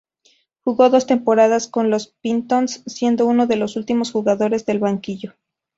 Jugó dos temporadas con los Pistons, siendo uno de los últimos jugadores del banquillo.